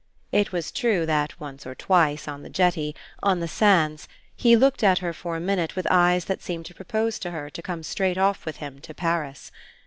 It was true that once or twice, on the jetty, on the sands, he looked at her for a minute with eyes that seemed to propose to her to come straight off with him to Paris.